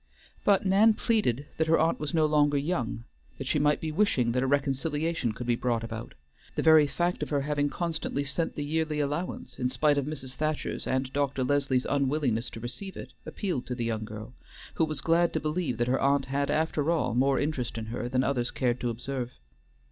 But Nan pleaded that her aunt was no longer young; that she might be wishing that a reconciliation could be brought about; the very fact of her having constantly sent the yearly allowance in spite of Mrs. Thacher's and Dr. Leslie's unwillingness to receive it appealed to the young girl, who was glad to believe that her aunt had, after all, more interest in her than others cared to observe.